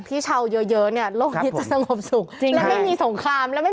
พี่ขับรถไปเจอแบบ